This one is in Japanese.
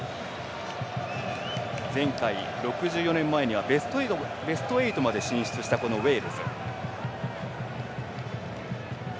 前回６４年前にはベスト８まで進出したウェールズ。